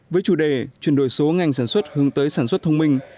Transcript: với chủ đề chuyển đổi số ngành sản xuất hướng tới sản xuất thông minh